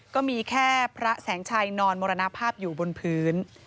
ก็มีแค่พระแสงชัยนอนมรณภาพอยู่บนพื้น